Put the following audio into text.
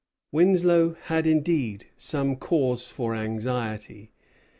Winslow had indeed some cause for anxiety.